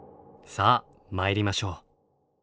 さあ参りましょう。